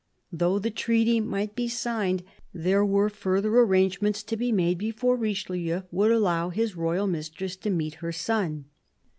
Though the treaty might be signed, there were further arrangements to be made before Richelieu would allow his royal mistress to meet her son.